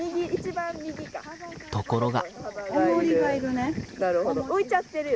ところが。